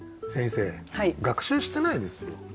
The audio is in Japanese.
先生学習してないですよ。